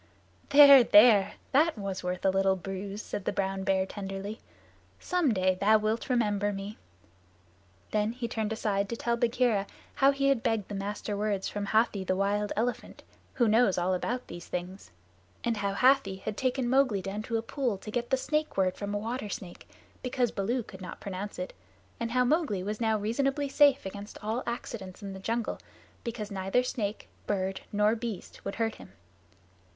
"There there! That was worth a little bruise," said the brown bear tenderly. "Some day thou wilt remember me." Then he turned aside to tell Bagheera how he had begged the Master Words from Hathi the Wild Elephant, who knows all about these things, and how Hathi had taken Mowgli down to a pool to get the Snake Word from a water snake, because Baloo could not pronounce it, and how Mowgli was now reasonably safe against all accidents in the jungle, because neither snake, bird, nor beast would hurt him.